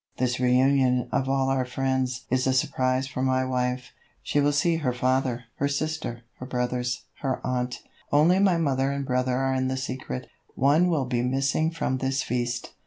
This reunion of all our friends is a surprise for my wife; she will see her father, her sister, her brothers, her aunt. Only my mother and brother are in the secret. One will be missing from this feast.